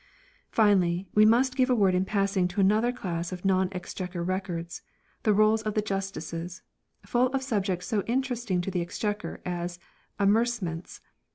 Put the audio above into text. Finally, we must give a word in passing to another class of non Exchequer Records, the rolls of the Justices; full of subjects so interesting to the Ex chequer as amercements.